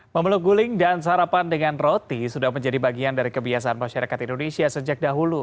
memeluk guling dan sarapan dengan roti sudah menjadi bagian dari kebiasaan masyarakat indonesia sejak dahulu